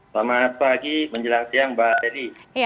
selamat pagi menjelang siang mbak edi